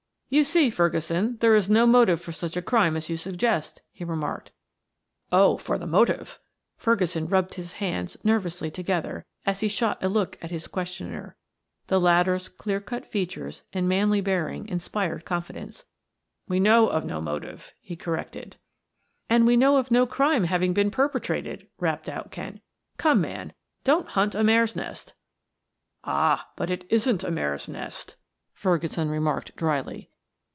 "You see, Ferguson, there is no motive for such a crime as you suggest," he remarked. "Oh, for the motive," Ferguson rubbed his hands nervously together as he shot a look at his questioner; the latter's clear cut features and manly bearing inspired confidence. "We know of no motive," he corrected. "And we know of no crime having been perpetrated," rapped out Kent. "Come, man; don't hunt a mare's nest." "Ah, but it isn't a mare's nest!" Ferguson remarked dryly.